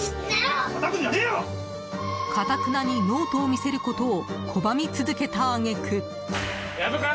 頑なにノートを見せることを拒み続けた揚げ句。